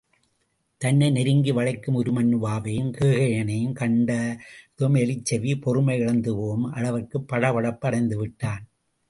தன்னை நெருங்கி வளைக்கும் உருமண்ணுவாவையும் கேகயனையும் கண்டதும் எலிச்செவி பொறுமை இழந்து போகும் அளவிற்குப் படபடப்பு அடைந்துவிட்டான்.